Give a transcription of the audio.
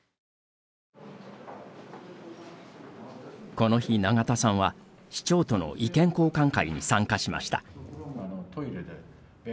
この日、永田さんは市長との意見交換会に参加しました。